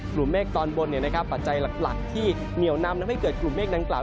กลุ่มเมฆตอนบนเนี่ยนะครับปัจจัยหลักที่เหนียวนำแล้วให้เกิดกลุ่มเมฆนั้นกล่าว